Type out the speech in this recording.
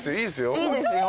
いいですよ。